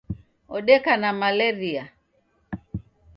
Odeka na malaria